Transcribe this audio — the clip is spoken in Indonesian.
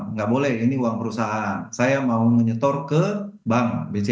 nggak boleh ini uang perusahaan saya mau menyetor ke bank bj